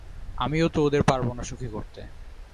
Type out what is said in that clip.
আমিও তো ওদের পারব না সুখী করতে।